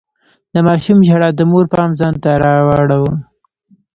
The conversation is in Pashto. د ماشوم ژړا د مور پام ځان ته راواړاوه.